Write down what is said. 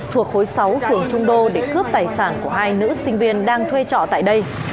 thuộc khối sáu phường trung đô để cướp tài sản của hai nữ sinh viên đang thuê trọ tại đây